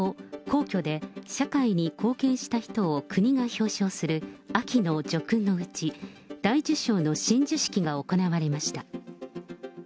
皇居で、社会に貢献した人を国が表彰する秋の叙勲のうち、大綬章の親授式が行われました。